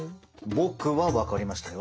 僕は分かりましたよ。